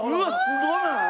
すごない？